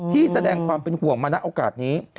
แสดงความเป็นห่วงมาณโอกาสนี้